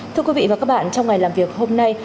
thưa quý vị và các bạn trong ngày làm việc hôm nay